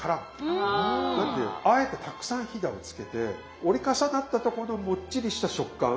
なんであえてたくさんひだをつけて折り重なったとこのもっちりした食感。